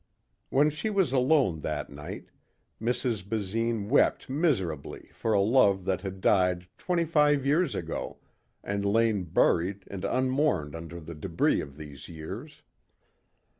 When she was alone that night Mrs. Basine wept miserably for a love that had died twenty five years ago and lain buried and unmourned under the débris of these years.